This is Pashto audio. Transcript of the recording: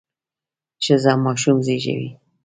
ښځه ماشوم زیږوي.